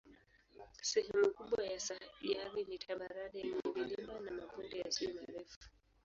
Sehemu kubwa ya sayari ni tambarare yenye vilima na mabonde yasiyo marefu.